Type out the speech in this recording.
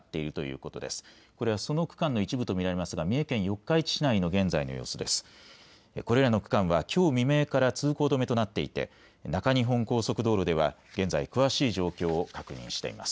これらの区間はきょう未明から通行止めとなっていて中日本高速道路では現在詳しい状況を確認しています。